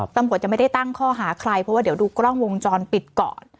ตำรวจจะไม่ได้ตั้งข้อหาใครเพราะว่าเดี๋ยวดูกล้องวงจรปิดก่อน